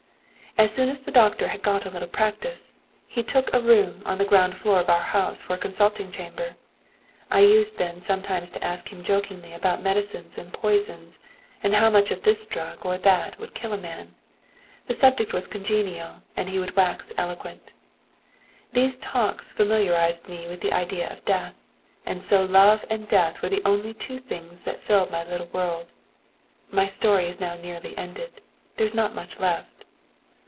As soon as the doctor had got a little practice, he took a room on the ground floor of our house for a consulting chamber. I used then sometimes to ask him jokingly about medicines and poisons, and how much of this drug or that would kill a man. The subject was congenial and he would wax eloquent. These talks familiarised me with the idea of death; and so love and death were the only two things that filled my little world. My story is now nearly ended there is not much left.'